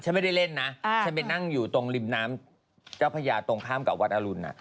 ไม่ได้เล่นนะฉันไปนั่งอยู่ตรงริมน้ำเจ้าพญาตรงข้ามกับวัดอรุณ